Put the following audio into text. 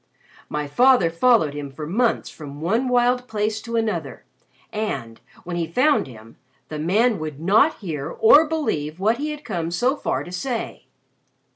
My father followed him for months from one wild place to another, and, when he found him, the man would not hear or believe what he had come so far to say.